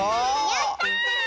やった！